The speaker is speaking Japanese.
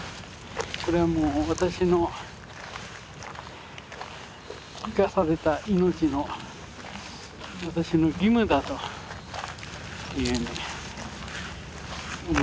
これはもう私の生かされた命の私の義務だと思ってる。